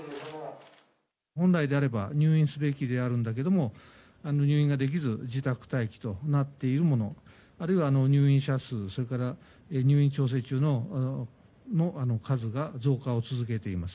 本来であれば入院すべきなんだけれども入院ができず自宅待機となっている者あるいは入院者数それから入院調整中の数が増加を続けています。